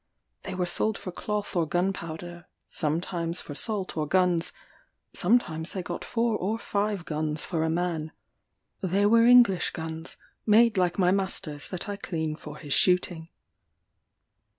They were sold for cloth or gunpowder, sometimes for salt or guns; sometimes they got four or five guns for a man: they were English guns, made like my master's that I clean for his shooting.